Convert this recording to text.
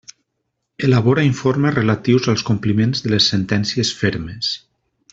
Elabora informes relatius als compliments de les sentències fermes.